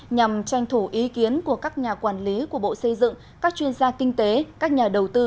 nhằm tranh thủ ý kiến của các nhà quản lý của bộ xây dựng các chuyên gia kinh tế các nhà đầu tư